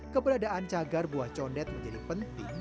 keberadaan cagar buah conden menjadi pilihan yang sangat penting